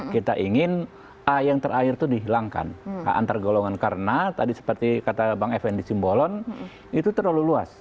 kita ingin a yang terakhir itu dihilangkan antar golongan karena tadi seperti kata bang effendi simbolon itu terlalu luas